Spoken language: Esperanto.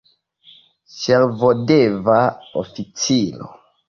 Servodeva oficiro.